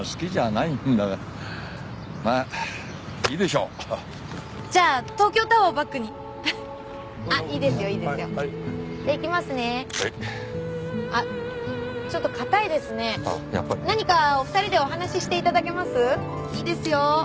いいですよ！